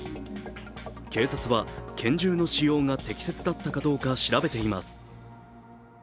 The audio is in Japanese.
警察は、拳銃の使用が適切だったかどうか調べています。